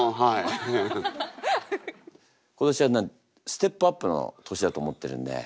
今年はステップアップの年だと思ってるんで。